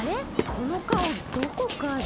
このかおどこかで。